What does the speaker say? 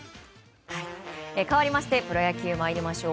かわってプロ野球参りましょう。